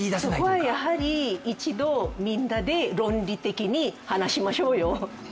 そこはやはり一度みんなで論理的に話しましょうよ。